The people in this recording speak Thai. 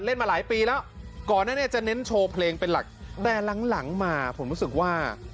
มาหลายปีแล้วก่อนนั้นเนี่ยจะเน้นโชว์เพลงเป็นหลักแต่หลังหลังมาผมรู้สึกว่า